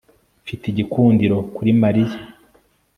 mfite igikundiro kuri mariya